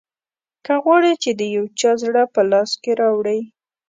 که غواړې چې د یو چا زړه په لاس راوړې.